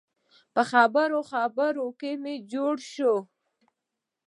په خبرو خبرو کې مو جوړه شوه.